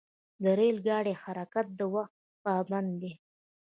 د ریل ګاډي حرکت د وخت پابند دی.